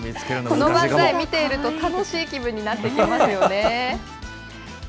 この万歳、見ていると楽しい気分になってきますよね。